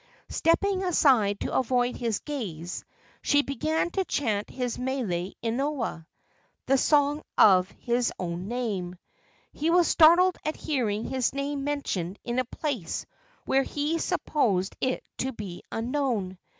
Stepping aside to avoid his gaze, she began to chant his mele inoa the song of his own name. He was startled at hearing his name mentioned in a place where he supposed it to be unknown.